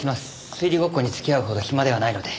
推理ごっこに付き合うほど暇ではないので。